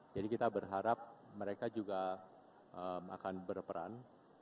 jadi kita berharap mereka juga akan berperan